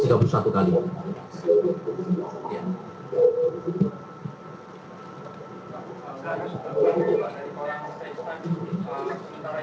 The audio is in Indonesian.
semoga bertandara yang bercapi